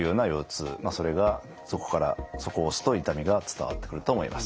それがそこを押すと痛みが伝わってくると思います。